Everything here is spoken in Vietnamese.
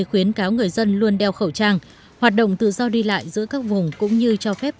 khuyến cáo người dân luôn đeo khẩu trang hoạt động tự do đi lại giữa các vùng cũng như cho phép